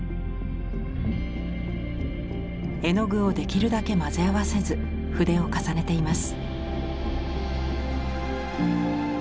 絵の具をできるだけ混ぜ合わせず筆を重ねています。